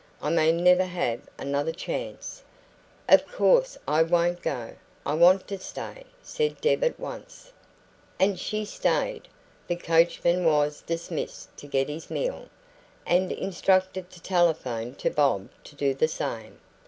I may never have another chance." "Of course I won't go I want to stay," said Deb at once. And she stayed. The coachman was dismissed to get his meal, and instructed to telephone to Bob to do the same.